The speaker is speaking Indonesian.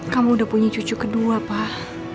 kamu udah punya cucu kedua pak